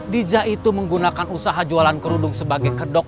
dija itu menggunakan usaha jualan kerudung sebagai kedok